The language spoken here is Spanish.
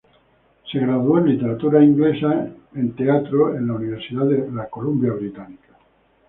Se graduó en literatura inglesa en Teatro en la Universidad de Columbia Británica.